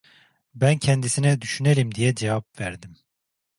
Ben kendisine 'düşünelim' diye cevap verdim.